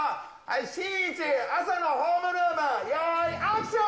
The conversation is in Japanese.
シーン１、朝のホームルーム、よーい、アクション。